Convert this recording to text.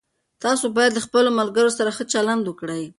تاسو باید له خپلو ملګرو سره ښه چلند وکړئ.